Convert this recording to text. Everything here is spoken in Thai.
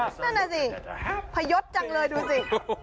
นั่นน่ะสิพยศจังเลยดูสิ